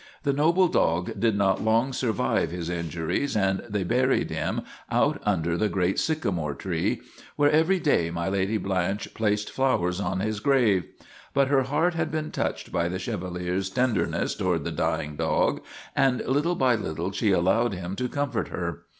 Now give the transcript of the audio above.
The noble dog did not long survive his injuries HOUND OF MY LADY BLANCHE 245 and they buried him out under the great sycamore tree, where every day My Lady Blanche placed flowers on his grave. But her heart had been touched by the Chevalier's tenderness toward the dying dog, and little by little she allowed him to comfort her.